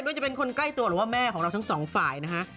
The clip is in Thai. ว่าจะเป็นคนใกล้ตัวหรือว่าแม่ของเราทั้งสองฝ่ายนะฮะ